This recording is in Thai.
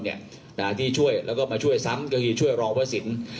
เนี่ยอ่าที่ช่วยแล้วก็มาช่วยซ้ำก็คือช่วยรองพระศิลป์